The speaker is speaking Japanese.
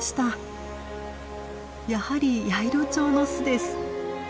やはりヤイロチョウの巣です。